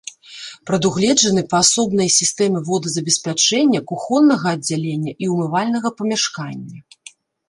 Прадугледжаны паасобныя сістэмы водазабеспячэння кухоннага аддзялення і умывальнага памяшкання.